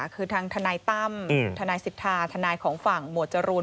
คือทางทนายตั้มทนายสิทธาทนายของฝั่งหมวดจรูน